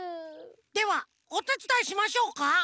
ではおてつだいしましょうか？